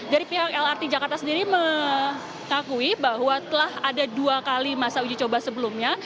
dari pihak lrt jakarta sendiri mengakui bahwa telah ada dua kali masa uji coba sebelumnya